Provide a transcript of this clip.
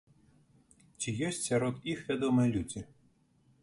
Ці ёсць сярод іх вядомыя людзі?